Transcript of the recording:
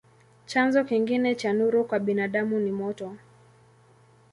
Chanzo kingine cha nuru kwa binadamu ni moto.